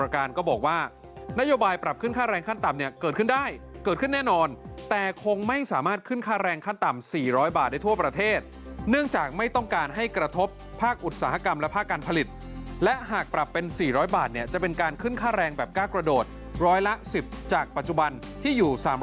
การก็บอกว่านโยบายปรับขึ้นค่าแรงขั้นต่ำเนี่ยเกิดขึ้นได้เกิดขึ้นแน่นอนแต่คงไม่สามารถขึ้นค่าแรงขั้นต่ำ๔๐๐บาทได้ทั่วประเทศเนื่องจากไม่ต้องการให้กระทบภาคอุตสาหกรรมและภาคการผลิตและหากปรับเป็น๔๐๐บาทเนี่ยจะเป็นการขึ้นค่าแรงแบบกล้ากระโดดร้อยละ๑๐จากปัจจุบันที่อยู่๓๐๐